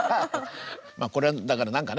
まあこれはだから何かね